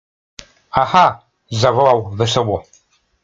— Aha! — zawołał wesoło.